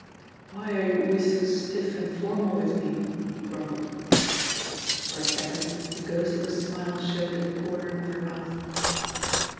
"Why are you always so stiff and formal with me?" he grumbled. For a second a ghost of a smile showed at the comer of her mouth.